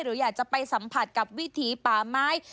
หรืออยากจะไปสัมผัสกับวิถีป่าไม้